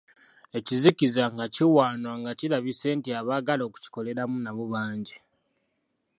Ekizikiza nga kiwaanwa nga kirabise anti abagala okukikoleramu nabo bangi.